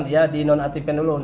dia dinonaktifkan dulu